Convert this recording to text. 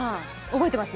覚えてます？